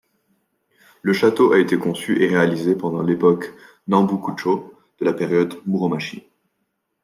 Le château a été conçu et réalisé pendant l'époque Nanboku-chō de la période Muromachi.